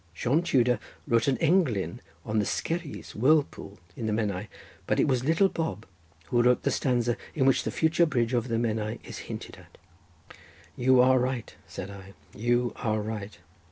Sion Tudor wrote an englyn on the Skerries whirlpool in the Menai; but it was Little Bob who wrote the stanza in which the future bridge over the Menai is hinted at." "You are right," said I, "you are right.